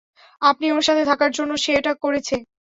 আপনি ওর সাথে থাকার জন্য সে এটা করেছে?